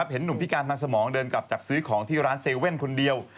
เห็นหนุ่มพิการทางสมองเดินกลับจากซื้อของที่ร้าน๗๑๑คนเดียว